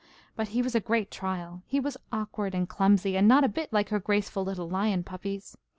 But he was a great trial. He was awkward and clumsy, and not a bit like her graceful little lion puppies.